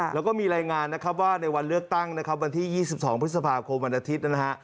แล้วก็มีรายงานว่าในวันเลือกตั้งวันที่๒๒พฤษภาคมวันอาทิตย์